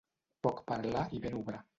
Poc parlar i ben obrar.